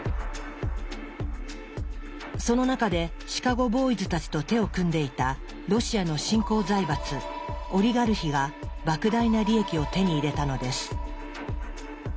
その中でシカゴ・ボーイズたちと手を組んでいたロシアの新興財閥オリガルヒが莫大な利益を手に入れたのです。